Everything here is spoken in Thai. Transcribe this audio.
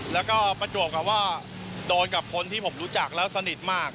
แล้วก็ประจวบกับว่าโดนกับคนที่ผมรู้จักแล้วสนิทมาก